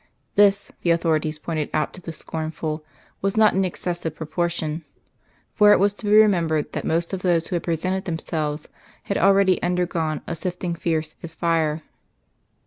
This, the authorities pointed out to the scornful, was not an excessive proportion; for it was to be remembered that most of those who had presented themselves had already undergone a sifting fierce as fire.